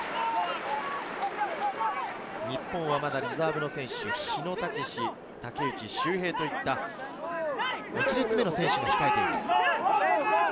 日本はまだリザーブの選手、日野剛志、竹内柊平といった１列目の選手が控えています。